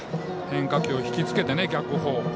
変化球を引き付けて逆方向。